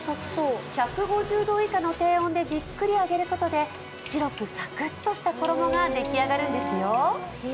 １５０度以下の低温でじっくり揚げることで白くサクッとした衣ができあがるんですよ。